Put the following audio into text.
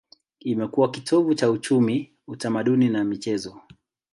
Imekuwa kitovu cha uchumi, utamaduni na michezo.